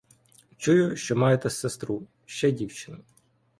Чую, що маєте сестру, ще дівчину.